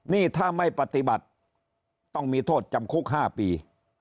นี่ถ้าไม่ปฏิบัติต้องมีโทษจำคุก๕ปี